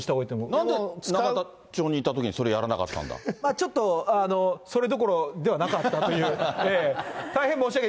なんで永田町にいたときに、ちょっと、それどころではなかったという、大変申し訳ない。